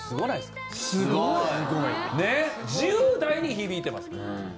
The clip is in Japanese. すごい！１０代に響いてます。